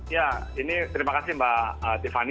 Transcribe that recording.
ya ini terima kasih mbak tiffany